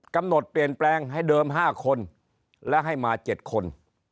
กำหนดเปลี่ยนแปลงให้เดิม๕คนและให้มา๗คน